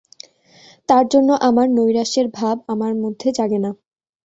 তার জন্য আমার নৈরাশ্যের ভাব আমার মধ্যে জাগে না।